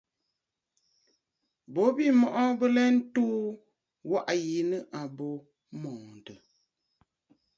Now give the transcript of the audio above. Bo bî mɔꞌɔ bɨ lɛtsù waꞌà yi nɨ̂ àbo mɔ̀ɔ̀ntə̀.